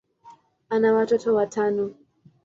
ana watoto watano.